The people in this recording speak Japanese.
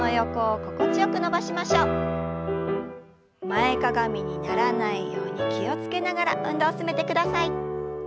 前かがみにならないように気を付けながら運動を進めてください。